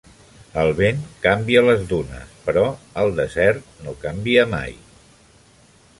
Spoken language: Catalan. El vent canvia les dunes, però el desert no canvia mai.